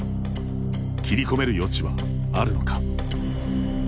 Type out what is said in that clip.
切り込める余地はあるのか。